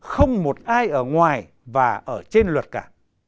không một ai ở ngoài và ở trên luật cả